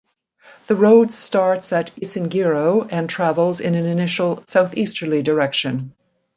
The road starts at Isingiro and travels in an initial southeasterly direction.